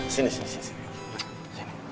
saya jarang jarang bisa merasakan momen seperti itu